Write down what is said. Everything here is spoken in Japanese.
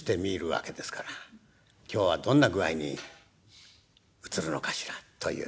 今日はどんな具合に映るのかしらという。